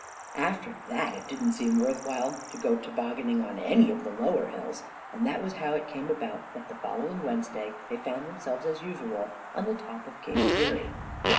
After that it didn't seem worth while to go tobogganing on any of the lower hills, and that was how it came about that the following Wednesday they found themselves as usual on the top of Cape Fury.